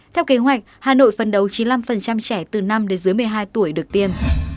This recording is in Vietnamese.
theo kế hoạch hà nội phân đấu chín mươi năm trẻ từ năm đến dưới một mươi hai tuổi được tiêm